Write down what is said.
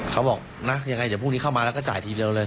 เขาบอกนะยังไงเดี๋ยวพรุ่งนี้เข้ามาแล้วก็จ่ายทีเดียวเลย